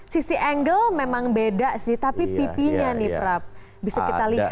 sisi angle memang beda sih tapi pipinya nih prap bisa kita lihat